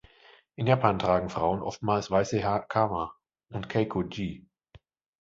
In Japan tragen Frauen oftmals weiße Hakama und Keiko-Gi.